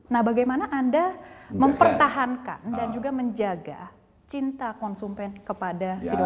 nah bagaimana anda mempertahankan dan juga menjaga cinta konsumen kepada si korban